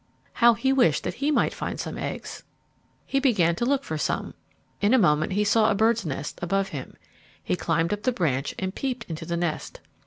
How he wished that he might find some eggs! He began to look for some. In a moment he saw a bird's nest above him. He climbed up the branch and peeped into the nest.